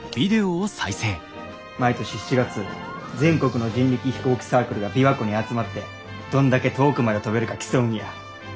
毎年７月全国の人力飛行機サークルが琵琶湖に集まってどんだけ遠くまで飛べるか競うんや。